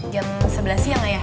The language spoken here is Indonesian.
jam sebelas siang ayah